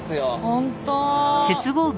本当。